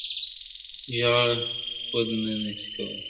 • ژړا خــود نــــه ســـــــې كـــــــولاى.